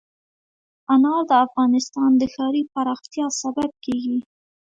انار د افغانستان د ښاري پراختیا سبب کېږي.